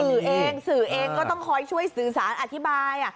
สื่อเองสื่อเองก็ต้องคอยช่วยสื่อสารอธิบาย